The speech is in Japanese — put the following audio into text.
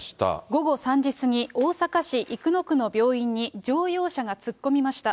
午後３時過ぎ、大阪市生野区の病院に、乗用車が突っ込みました。